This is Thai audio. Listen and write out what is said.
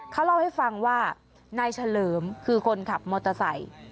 เขาเล่าให้ฟังว่านายเฉลิมคือคนขับมอเตอร์ไซค์